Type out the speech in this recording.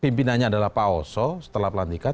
pimpinannya adalah pak oso setelah pelantikan